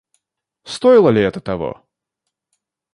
Стоило ли это того?